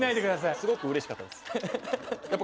すごく嬉しかったです。